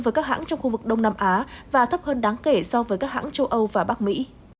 với các hãng trong khu vực đông nam á và thấp hơn đáng kể so với các hãng châu âu và bắc mỹ